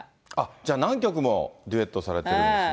じゃあ、何曲もデュエットされてるんですね。